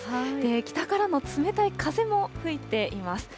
北からの冷たい風も吹いています。